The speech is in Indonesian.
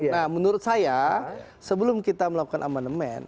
nah menurut saya sebelum kita melakukan amandemen